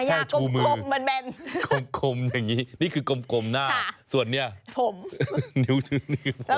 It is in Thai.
แค่ชูมือคุ้มคุ้มอย่างนี้นี่คือกมหน้าส่วนเนี่ยนิ้วนึกผม